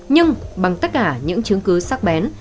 nhưng bằng tất cả những chứng cứ sắc bén